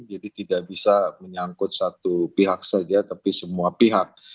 jadi tidak bisa menyangkut satu pihak saja tapi semua pihak